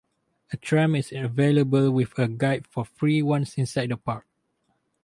A tram is available with a guide for free once inside the park.